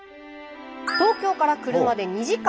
東京から車で２時間。